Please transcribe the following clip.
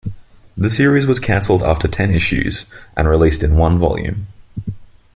The series was canceled after ten issues and released in one volume.